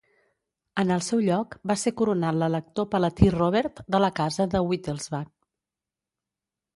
En el seu lloc va ser coronat l'elector palatí Robert, de la Casa de Wittelsbach.